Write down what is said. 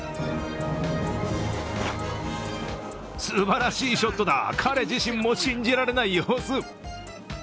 すばらしいショットだ、彼自身も信じられない様子。